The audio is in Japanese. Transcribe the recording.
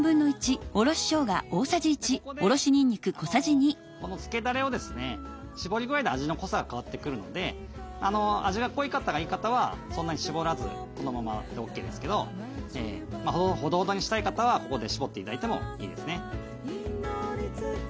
ここでこのつけだれをですねしぼり具合で味の濃さが変わってくるので味が濃い方がいい方はそんなにしぼらずこのままでＯＫですけどほどほどにしたい方はここでしぼって頂いてもいいですね。